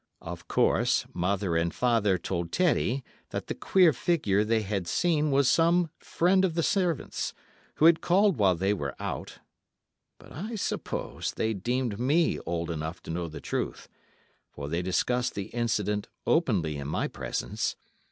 Of course, mother and father told Teddy that the queer figure they had seen was some friend of the servants, who had called while they were out, but I suppose they deemed me old enough to know the truth, for they discussed the incident openly in my presence.